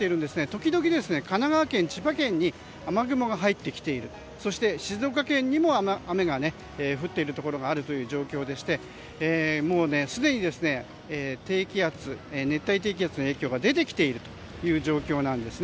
ときどき神奈川県、千葉県に雨雲が入ってきているそして静岡県にも雨が降っているところがあるという状況でしてすでに熱帯低気圧の影響が出てきているという状況なんです。